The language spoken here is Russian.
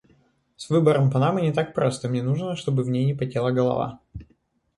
С выбором панамы не так просто. Мне нужно, чтобы в ней не потела голова.